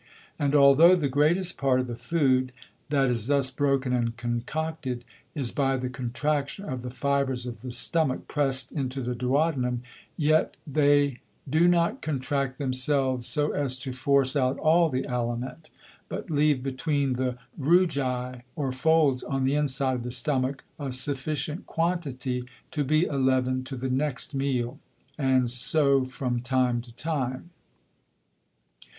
And altho' the greatest part of the Food, that is thus broken and concocted, is by the Contraction of the Fibres of the Stomach press'd into the Duodenum; yet they do not contract themselves so as to force out all the Aliment, but leave between the Rugæ or Folds, on the inside of the Stomach, a sufficient Quantity to be a Leaven to the next Meal; and so from time to time.